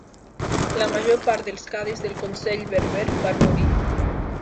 La major part dels cadis del consell berber van morir.